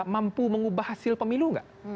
mampu mengubah hasil pemilu nggak